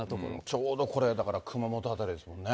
ちょうどこれ、だから熊本辺りですもんね。